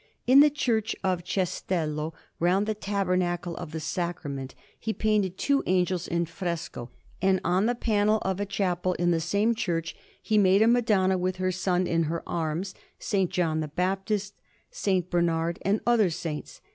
In the Church of Cestello, round the Tabernacle of the Sacrament, he painted two angels in fresco, and on the panel of a chapel in the same church he made a Madonna with her Son in her arms, S. John the Baptist, S. Bernard, and other saints.